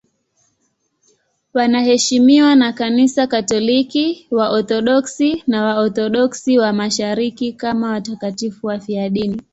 Wanaheshimiwa na Kanisa Katoliki, Waorthodoksi na Waorthodoksi wa Mashariki kama watakatifu wafiadini.